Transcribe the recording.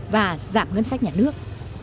và giảm ngân sách nhà nước